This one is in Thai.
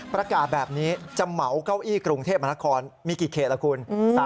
ประกาศแบบนี้จะเหมาเก้าอี้กรุงเทพมหานครมีกี่เขตล่ะคุณ